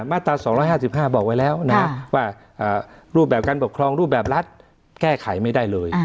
มาตรา๒๕๕บอกไว้แล้วนะว่ารูปแบบการปกครองรูปแบบรัฐแก้ไขไม่ได้เลย